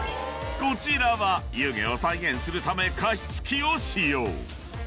［こちらは湯気を再現するため加湿器を使用］